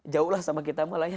jauh lah sama kita malah ya